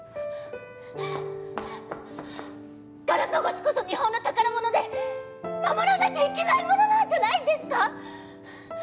ガラパゴスこそ日本の宝物で守らなきゃいけないものなんじゃないんですか？